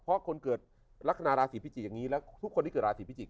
และถูกควรอะไร